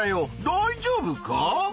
だいじょうぶか？